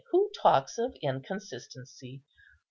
who talks of inconsistency?